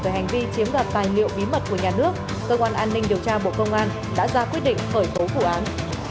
về hành vi chiếm đoạt tài liệu bí mật của nhà nước cơ quan an ninh điều tra bộ công an đã ra quyết định khởi tố vụ án